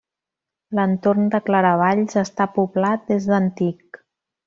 L'entorn de Claravalls està poblat des d'antic.